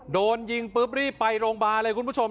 โดนยิงปุ๊บรีบไปโรงพยาบาลเลยคุณผู้ชม